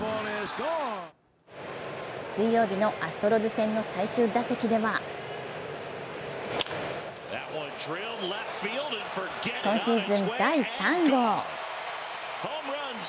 水曜日のアストロズ戦の最終打席では今シーズン第３号。